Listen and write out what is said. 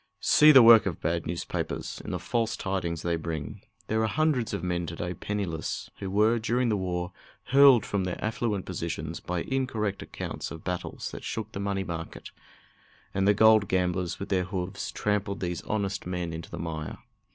See the work of bad newspapers in the false tidings they bring! There are hundreds of men to day penniless, who were, during the war, hurled from their affluent positions by incorrect accounts of battles that shook the money market, and the gold gamblers, with their hoofs, trampled these honest men into the mire.